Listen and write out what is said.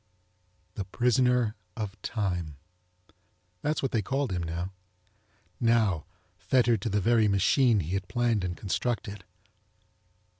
THE PRISONER OF TIME! That's what they called him now! Now, fettered to the very machine he had planned and constructed.